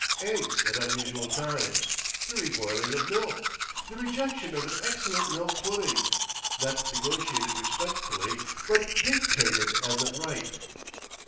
Eggs at unusual times, the reboiling of milk, the rejection of an excellent milk pudding—not negotiated respectfully but dictated as of right.